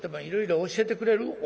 いろいろ教えてくれる？